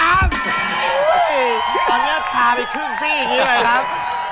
ตอนนี้ทาไปครึ่งซี่นี้เลยครับ